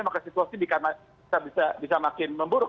maka situasi bisa makin memburuk